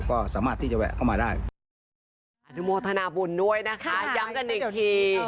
ก็สามารถที่จะแวะเข้ามาได้อนุโมทนาบุญด้วยนะคะย้ำกันอีกที